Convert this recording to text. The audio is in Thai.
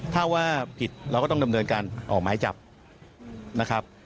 ถ้าว่าผิดเราก็ต้องดำเนินการออกหมายจับนะครับ